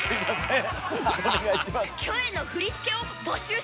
キョエの振り付けを募集してます！